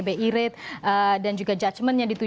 dan keoohatan juga yang dijel oj discontinued